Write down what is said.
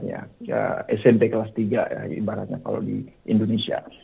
ya smp kelas tiga ya ibaratnya kalau di indonesia